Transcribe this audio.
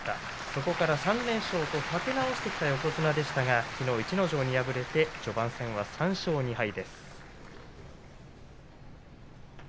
そこから３連勝と立て直してきた横綱でしたが、きのうは逸ノ城に敗れて序盤戦は３勝２敗です。